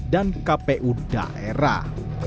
dan kpu daerah